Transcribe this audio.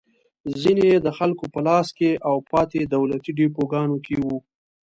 ځینې یې د خلکو په لاس کې او پاتې دولتي ډېپوګانو کې وو.